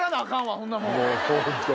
そんなもん。